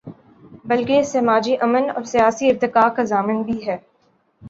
بلکہ یہ سماجی امن اور سیاسی ارتقا کا ضامن بھی ہے۔